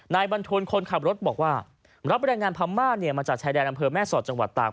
บรรทนคนขับรถบอกว่ารับแรงงานพม่าเนี่ยมาจากชายแดนอำเภอแม่สอดจังหวัดตาก